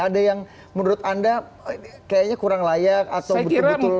ada yang menurut anda kayaknya kurang layak atau betul betul